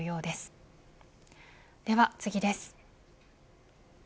では次です。